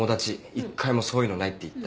一回もそういうのないって言った。